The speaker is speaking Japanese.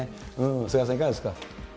菅原さん、いかがですか。